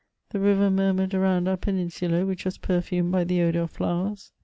The river murmured around om* peninsula, which was perfumed by the odour of flowers.